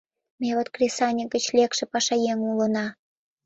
— Ме вет кресаньык гыч лекше пашаеҥ улына.